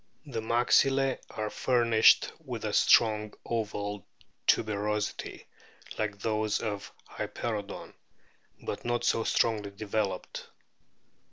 The maxillae are furnished with a strong oval tuberosity like those of Hyperoodon, but not so strongly developed.